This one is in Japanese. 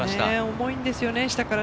重いんですよね、下から。